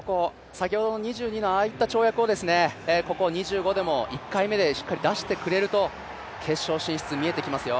先ほどの２２のああいった跳躍をですね、ここ２５でも１回目でしっかり出してくれると、決勝進出、見えてきますよ。